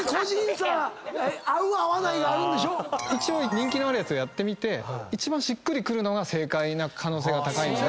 人気のあるやつやってみて一番しっくりくるのが正解な可能性が高いので。